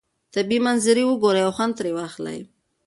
طبیعي منظرې وګورئ او خوند ترې واخلئ.